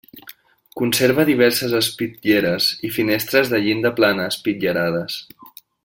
Conserva diverses espitlleres i finestres de llinda plana espitllerades.